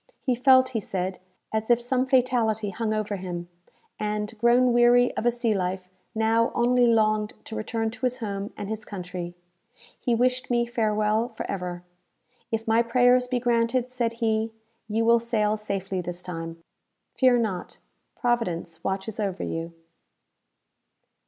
He felt, he said, as if some fatality hung over him; and, grown weary of a sea life, now only longed to return to his home and his country. He wished me farewell for ever. "If my prayers be granted," said he, "you will sail safely this time. Fear not Providence watches over you."